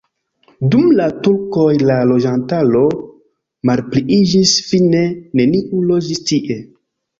Dum la turkoj la loĝantaro malpliiĝis, fine neniu loĝis tie.